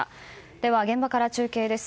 では現場から中継です。